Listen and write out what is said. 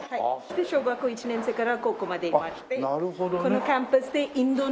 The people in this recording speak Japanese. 小学校１年生から高校までいまして。